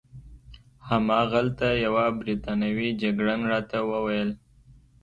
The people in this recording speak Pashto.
هماغلته یوه بریتانوي جګړن راته وویل.